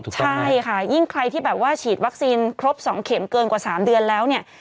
ใช่ค่ะยิ่งใครที่แบบว่าฉีดวัคซีนครบ๒เข็มเกินกว่า๓เดือนแล้วเนี่ย